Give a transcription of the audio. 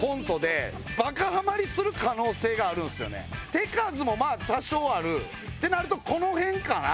「手数」もまぁ多少あるってなるとこの辺かな。